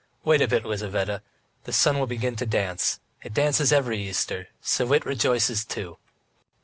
Wait a bit, Lizaveta, the sun will begin to dance. It dances every Easter. So it rejoices too!"